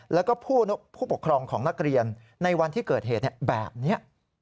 แล้วก็ผู้ปกครองของนักเรียนในวันที่เกิดเหตุแบบนี้